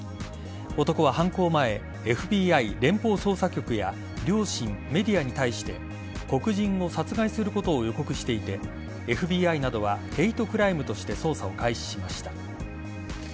男は犯行前ＦＢＩ＝連邦捜査局や両親、メディアに対して黒人を殺害することを予告していてＦＢＩなどはヘイトクライムとして捜査を開始しました。